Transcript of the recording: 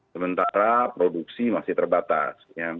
sementara produksi masih terbatas